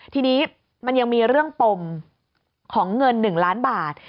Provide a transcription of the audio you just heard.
ทีนี้มันยังมีเรื่องปมของเงิน๑ล้านบาท